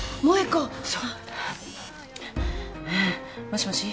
もしもし。